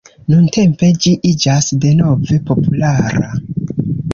Nuntempe ĝi iĝas denove populara.